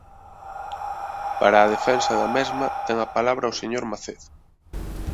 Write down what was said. Para a defensa da mesma, ten a palabra o señor Macedo.